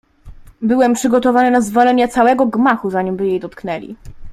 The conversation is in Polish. "Byłem przygotowany na zwalenie całego gmachu, zanimby jej dotknęli."